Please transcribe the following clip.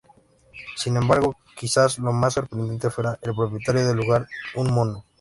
Sin embargo, quizás lo más sorprendente fuera el propietario del lugar, un mono.